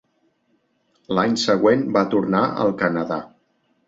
L'any següent va tornar al Canadà.